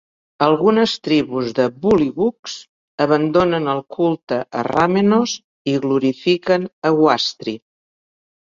Algunes tribus de "bullywugs" abandonen el culte a Ramenos i glorifiquen a Wastri.